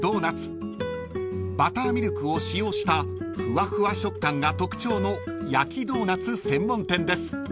［バターミルクを使用したフワフワ食感が特徴の焼きドーナツ専門店です］